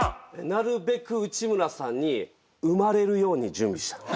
なるべく内村さんに生まれるように準備した。